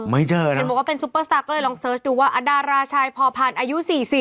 เห็นบอกว่าเป็นซุปเปอร์สตาร์ก็เลยลองเสิร์ชดูว่าดาราชายพอพันธ์อายุ๔๐